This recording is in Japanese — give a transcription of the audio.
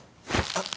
あっ！